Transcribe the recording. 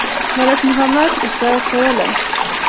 ملک محمد قصه کوله.